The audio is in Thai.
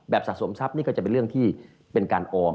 สะสมทรัพย์นี่ก็จะเป็นเรื่องที่เป็นการออม